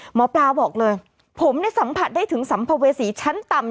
หมอปลาบอกเลยผมสัมผัสได้ถึงสัมภเวษีชั้นต่ำ